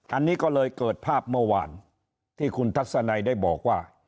อันนี้ก็เลยเกิดภาพเมื่อวานที่คุณทัศนัยได้บอกว่า